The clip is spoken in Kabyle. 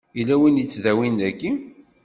Yella win yettdawin dagi?